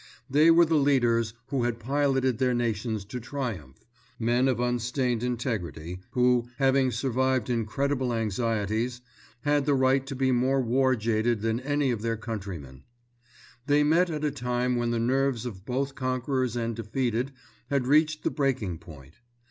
They were the leaders who had piloted their nations to triumph—men of unstained integrity who, having survived incredible anxieties, had the right to be more war jaded than any of their countrymen. They met at a time when the nerves of both conquerors and defeated had reached the breaking point.